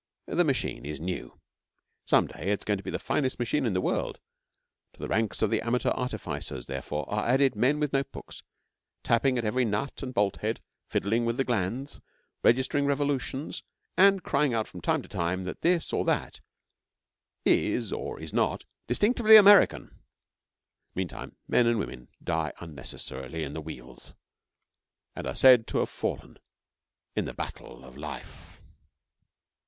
The machine is new. Some day it is going to be the finest machine in the world. To the ranks of the amateur artificers, therefore, are added men with notebooks tapping at every nut and bolthead, fiddling with the glands, registering revolutions, and crying out from time to time that this or that is or is not 'distinctively American.' Meantime, men and women die unnecessarily in the wheels, and they are said to have fallen 'in the battle of life.'